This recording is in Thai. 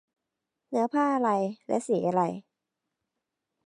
เนื้อผ้าอะไร และสีอะไร